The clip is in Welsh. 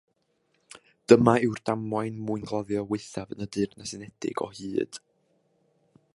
Dyma yw'r ddamwain mwyngloddio waethaf yn y Deyrnas Unedig o hyd.